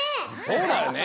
そうだよね。